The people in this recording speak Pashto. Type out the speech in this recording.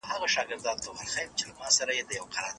آیا ستاسو په کور کې سمارټ تلویزیون او انټرنیټ شتون لري؟